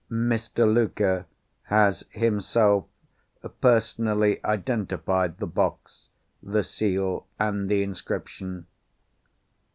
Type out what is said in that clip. Mr. Luker has himself personally identified the box, the seal, and the inscription.